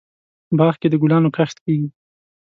باغ کې دګلانو کښت کیږي